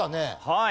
はい。